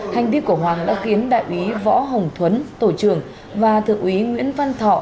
hành vi của hoàng đã khiến đại úy võ hồng thuấn tổ trưởng và thượng úy nguyễn văn thọ